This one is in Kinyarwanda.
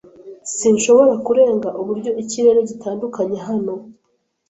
Sinshobora kurenga uburyo ikirere gitandukanye hano.